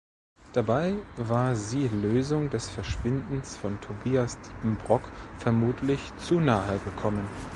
Dabei war sie Lösung des Verschwindens von Tobias Diepenbrock vermutlich zu nahegekommen.